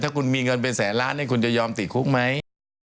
ถ้าคุณมีเงินเป็นแสนล้านคุณจะยอมติดคุกไหม